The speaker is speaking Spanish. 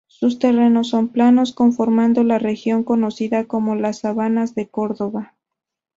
Sus terrenos son planos, conformando la región conocida como las sabanas de Córdoba.